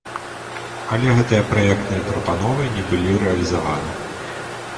Але гэтыя праектныя прапановы не былі рэалізаваны.